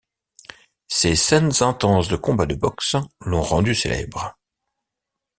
Ses scènes intenses de combats de boxe l'ont rendu célèbre.